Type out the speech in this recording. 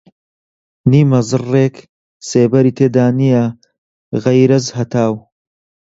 نیمە زەڕڕێک سێبەری تێدا نییە غەیرەز هەتاو